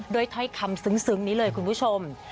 ถ้อยคำซึ้งนี้เลยคุณผู้ชม